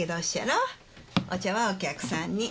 お茶はお客さんに。